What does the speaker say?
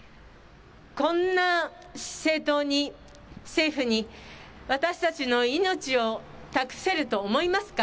こんな政党に、政府に私たちの命を託せると思いますか。